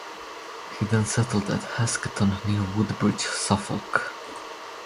He then settled at Hasketon near Woodbridge, Suffolk.